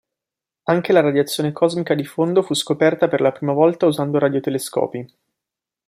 Anche la Radiazione cosmica di fondo fu scoperta per la prima volta usando radiotelescopi.